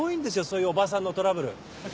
そういうおばさんのトラブル。